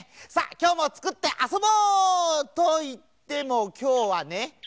きょうもつくってあそぼう！といってもきょうはねほら。